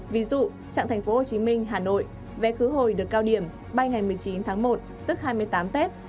ví dụ trạng tp hcm hà nội vé khứ hồi được cao điểm bay ngày một mươi chín tháng một tức hai mươi tám tết